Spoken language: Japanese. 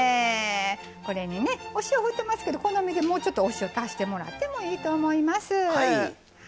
これにお塩振ってますけど好みで、もうちょっとお塩足してもらってもいいと思います。